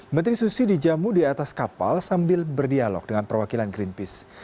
menteri susi dijamu di atas kapal sambil berdialog dengan perwakilan greenpeace